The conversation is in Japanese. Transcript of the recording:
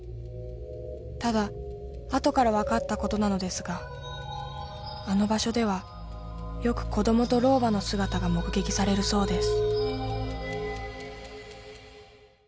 ただ後から分かったことなのですがあの場所ではよく子供と老婆の姿が目撃されるそうです］